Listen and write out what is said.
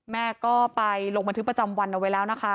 แม่ก็ไปลงบันทึกประจำวันเอาไว้แล้วนะคะ